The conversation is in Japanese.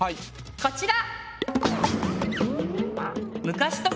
こちら！